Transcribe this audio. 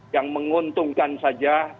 yang menguntungkan saja